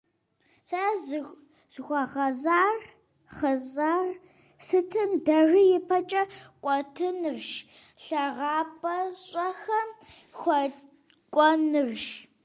Сэ сызыхуагъэсар сытым дежи ипэкӏэ кӏуэтэнырщ, лъагапӏэщӏэхэм хуэкӏуэнырщ.